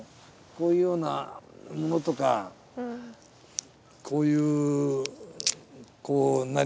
こういうようなものとかこういうこうなりますよね。